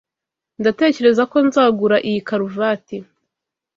Ndatekereza ko nzagura iyi karuvati.